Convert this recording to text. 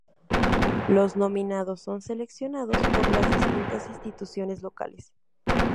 Los nominados son seleccionados por las distintas instituciones locales.